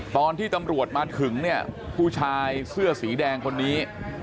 ตอนที่ตำรวจมาถึงเนี่ยผู้ชายเสื้อสีแดงคนนี้